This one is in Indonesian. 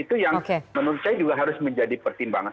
itu yang menurut saya juga harus menjadi pertimbangan